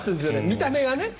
見た目がね。